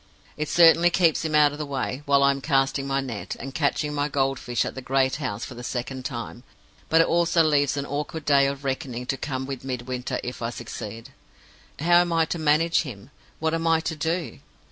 It certainly keeps him out of the way, while I am casting my net, and catching my gold fish at the great house for the second time; but it also leaves an awkward day of reckoning to come with Midwinter if I succeed. How am I to manage him? What am I to do?